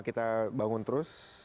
kita bangun terus